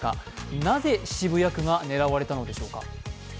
なぜ渋谷区が狙われたのでしょうか。